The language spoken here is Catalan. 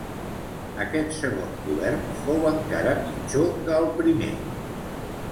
Aquest segon govern fou encara pitjor que el primer.